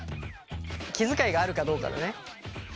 気遣いがあるかどうかだね。